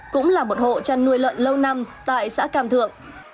cũng là một hộ chăn nuôi lợn lâu năm tại xã cam thượng